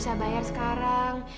saya mau bayar sekarang